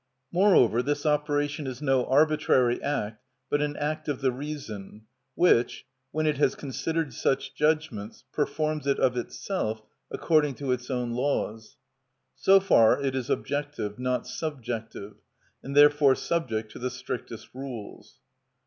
Moreover, this operation is no arbitrary act, but an act of the reason, which, when it has considered such judgments, performs it of itself according to its own laws. So far it is objective, not subjective, and therefore subject to the strictest rules.